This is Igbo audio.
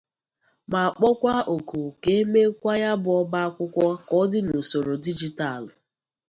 ma kpọkwa oku ka e meekwa ya bụ ọba akwụkwọ ka ọ dị n'usoro dijitalụ